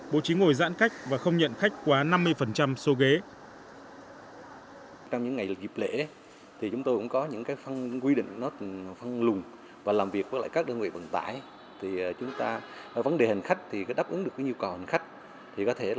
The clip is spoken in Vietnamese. bố trí ngồi giãn cách và không nhận khách quá năm mươi số ghế